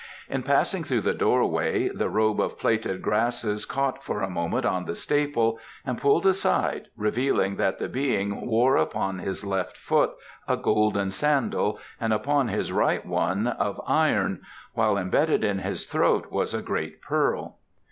In passing through the doorway the robe of plaited grasses caught for a moment on the staple and pulling aside revealed that the Being wore upon his left foot a golden sandal and upon his right foot one of iron, while embedded in his throat was a great pearl.